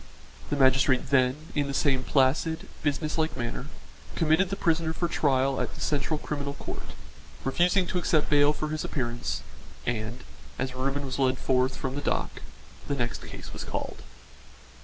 The magistrate then, in the same placid, business like manner, committed the prisoner for trial at the Central Criminal Court, refusing to accept bail for his appearance, and, as Reuben was led forth from the dock, the next case was called.